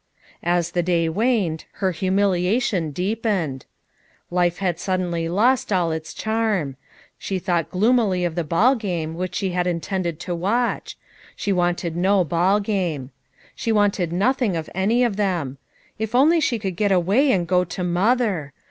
As the day waned, her humiliation deepened; life had suddenly lost all its charm ; she thought gloomily of the ball game which she had in tended to watch; she wanted no hall game. She wanted nothing of any of them; if only she could get away and go to mother!